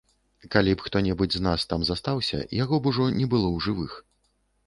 Калі б хто-небудзь з нас там застаўся, яго б ужо не было ў жывых.